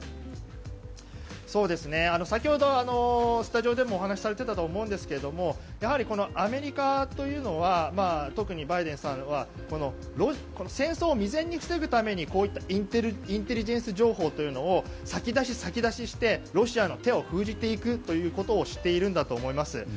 先ほど、スタジオでもお話しされていたと思うんですがやはりアメリカというのは特にバイデンさんは戦争を未然に防ぐためにこういったインテリジェンス情報というのを先出し、先出ししてロシアの手を封じていくということをしているんだと思います。